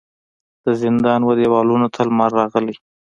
د زندان و دیوالونو ته لمر راغلی